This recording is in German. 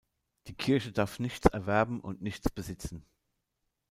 Die Kirche darf nichts erwerben und nichts besitzen.